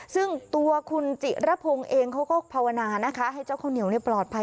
ซึ่งตัวคุณจิระพงศ์เองเขาก็ภาวนานะคะให้เจ้าข้าวเหนียวปลอดภัย